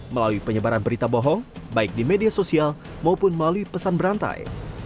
melalui penyebaran berita bohong baik di media sosial maupun melalui pesan berantai